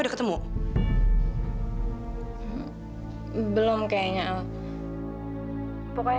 duh pak hendra mana ya